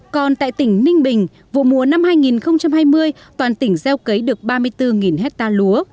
còn tại tỉnh ninh bình vụ mùa năm hai nghìn hai mươi toàn tỉnh gieo cấy được ba mươi bốn hectare lúa